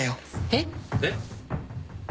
えっ！？